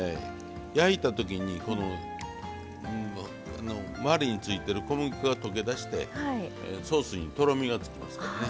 焼いたときにこの周りについてる小麦粉が溶け出してソースにとろみがつきますからね。